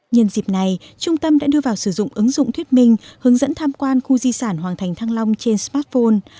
nhân dịp này trung tâm đã đưa vào sử dụng ứng dụng thuyết minh hướng dẫn tham quan khu di sản hoàng thành thăng long trên smartphone